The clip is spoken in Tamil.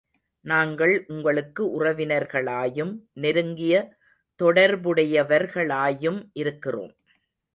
நாங்கள் உங்களுக்கு உறவினர்களாயும், நெருங்கிய தொடர்புடையவர்களாயும் இருக்கிறோம்.